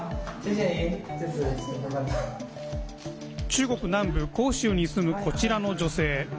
中国南部・広州に住むこちらの女性。